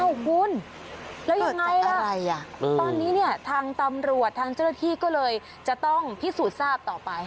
คุณแล้วยังไงล่ะตอนนี้เนี่ยทางตำรวจทางเจ้าหน้าที่ก็เลยจะต้องพิสูจน์ทราบต่อไป